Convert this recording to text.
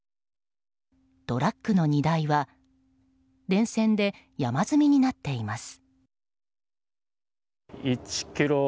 トラックの荷台は電線で山積みになっています。